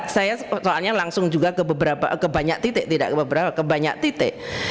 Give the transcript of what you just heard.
saya soalnya langsung juga ke banyak titik tidak ke banyak titik